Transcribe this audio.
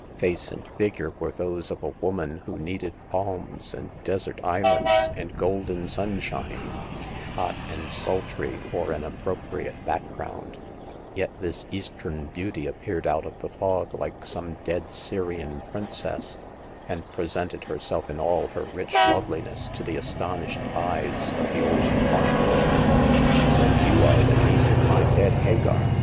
Face and figure ^ were those of a woman who needed palms and * desert sands and golden sunshine, hot and sultry, for an appropriate background ; yet this Eastern beauty appeared out of the fog like some dead Syrian princess, and presented herself in all her rich loveliness to the astonished eyes of the old pawnbroker. So you are the niece of my dead Hagar